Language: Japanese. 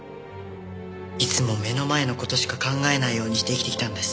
いつも目の前の事しか考えないようにして生きてきたんです。